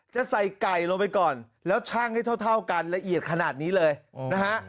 จะใส่ไก่ลงไปก่อนแล้วชั่งให้เท่ากันละเอียดขนาดนี้เลยนะฮะ